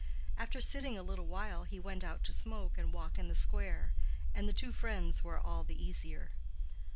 After sitting a little while, he went out to smoke and walk in the square, and the two friends were all the easier.